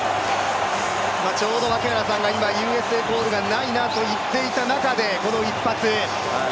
ちょうど槙原さんが今、ＵＳＡコールがないなと言っていた中でこの一発。